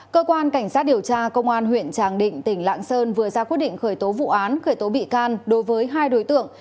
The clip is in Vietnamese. cơ quan cảnh sát điều tra công an huyện tràng định tỉnh lạng sơn vừa ra quyết định khởi tố vụ án khởi tố bị can đối với hai đối tượng